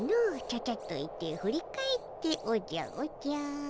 「ちゃちゃっと行って振り返っておじゃおじゃ」